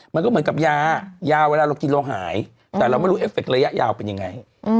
มันก็เหมือนกับยายาเวลาเรากินเราหายแต่เราไม่รู้เอฟเฟคระยะยาวเป็นยังไง